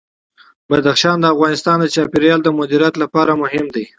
بدخشان د افغانستان د چاپیریال د مدیریت لپاره مهم دي.